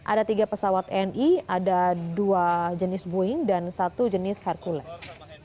ada tiga pesawat ni ada dua jenis boeing dan satu jenis hercules